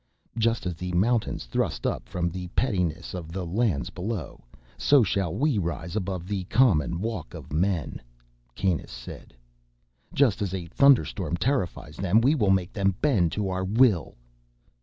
"Just as the mountains thrust up from the pettiness of the lands below, so shall we rise above the common walk of men," Kanus said. "Just as a thunderstorm terrifies them, we will make them bend to our will!"